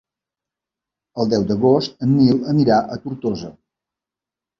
El deu d'agost en Nil anirà a Tortosa.